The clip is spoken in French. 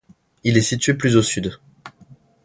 Il est situé plus au sud.